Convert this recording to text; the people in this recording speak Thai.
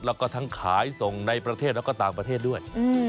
แล้วก็ทั้งขายส่งในประเทศแล้วก็ต่างประเทศด้วย